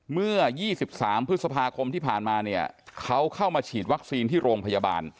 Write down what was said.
เมื่อ๒๓พฤษภาคมที่ผ่านมาเนี่ยเขาเข้ามาฉีดวัคซีนที่โรงพยาบาล